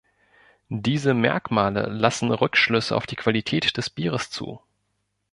Diese Merkmale lassen Rückschlüsse auf die Qualität des Bieres zu.